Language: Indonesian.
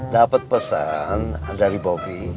dapet pesan dari bobby